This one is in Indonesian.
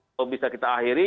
kalau bisa kita akhiri